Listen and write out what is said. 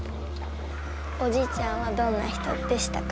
おじいちゃんはどんな人でしたか？